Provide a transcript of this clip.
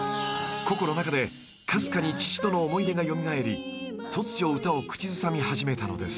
［ココの中でかすかに父との思い出が蘇り突如歌を口ずさみ始めたのです］